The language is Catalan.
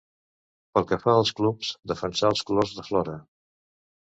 Pel que fa a clubs, defensà els colors de Flora.